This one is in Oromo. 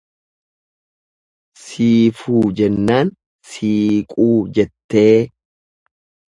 Siifuu jennaan siiquu jettee.